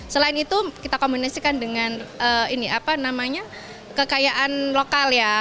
selain itu kita kombinasikan dengan ini apa namanya kekayaan lokal ya